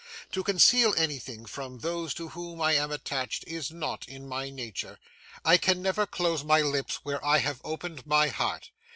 To conceal anything from those to whom I am attached, is not in my nature. I can never close my lips where I have opened my heart.